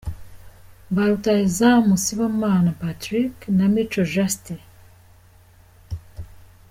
Ba Rutahizamu: Sibomana Patrick na Mico Justin.